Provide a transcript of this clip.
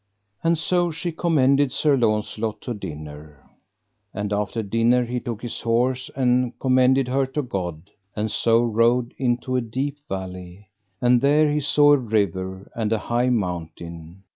And so she commended Sir Launcelot to dinner. And after dinner he took his horse and commended her to God, and so rode into a deep valley, and there he saw a river and an high mountain.